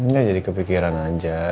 ya jadi kepikiran aja